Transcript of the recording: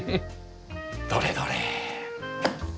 どれどれ？